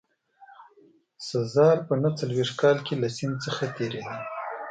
سزار په نه څلوېښت کال کې له سیند څخه تېرېده.